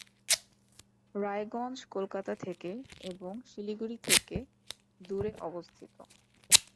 রায়গঞ্জ কলকাতা থেকে এবং শিলিগুড়ি থেকে দূরে অবস্থিত।